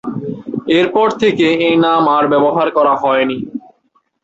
এরপর থেকে এ নাম আর ব্যবহার করা হয়নি।